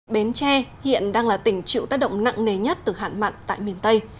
bến tre hiện đang là tỉnh chịu tác động nặng nề nhất từ hạn mặn tại miền tây